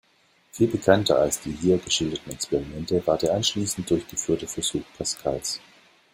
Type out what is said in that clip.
Viel bekannter als die hier geschilderten Experimente war der anschließend durchgeführte Versuch Pascals.